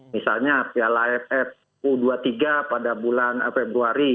misalnya piala aff u dua puluh tiga pada bulan februari